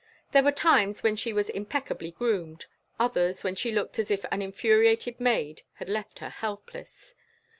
There were times when she was impeccably groomed, others when she looked as if an infuriated maid had left her helpless.